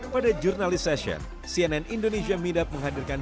pada jurnalis session cnn indonesia meetup menghadirkan